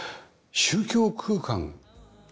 宗教空間